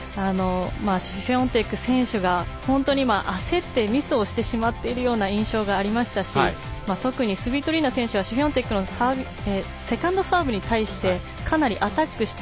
シフィオンテク選手が焦ってミスをしてしまっているような印象がありましたし特にスビトリーナ選手はシフィオンテク選手のセカンドサーブに対してかなりアタックして。